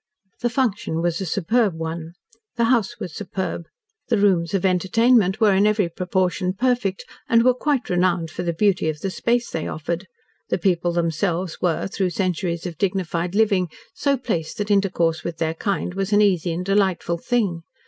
The function was a superb one. The house was superb, the rooms of entertainment were in every proportion perfect, and were quite renowned for the beauty of the space they offered; the people themselves were, through centuries of dignified living, so placed that intercourse with their kind was an easy and delightful thing.